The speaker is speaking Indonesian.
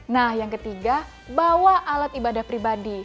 nah yang ketiga bawa alat ibadah pribadi